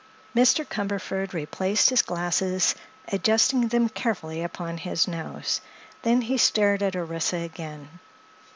Mr. Cumberford replaced his glasses, adjusting them carefully upon his nose. Then he stared at Orissa again.